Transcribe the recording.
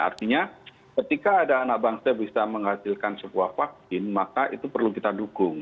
artinya ketika ada anak bangsa bisa menghasilkan sebuah vaksin maka itu perlu kita dukung